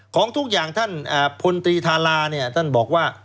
ของทุกอย่างท่านพลตรีธาราเนี่ยท่านบอกว่า